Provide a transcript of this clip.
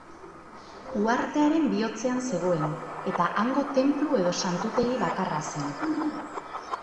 Uhartearen bihotzean zegoen, eta hango tenplu edo santutegi bakarra zen.